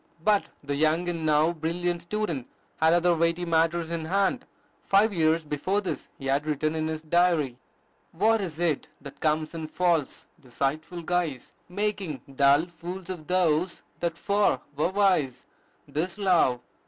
But the young and now brilliant student had other weighty matters in hand. Five years before this, he had written in his diary: "What is't that comes in false, deceitful guise, Making dull fools of those that 'fore were wise? 'Tis love.